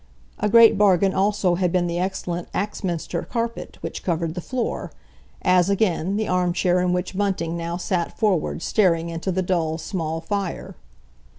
A great bargain also had been the excellent Axminster carpet which covered the floor; as, again, the arm chair in which Bunting now sat forward, staring into the dull, small fire.